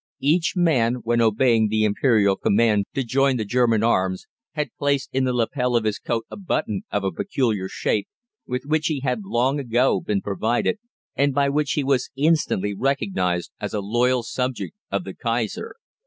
Each man, when obeying the Imperial command to join the German arms, had placed in the lapel of his coat a button of a peculiar shape, with which he had long ago been provided, and by which he was instantly recognised as a loyal subject of the Kaiser.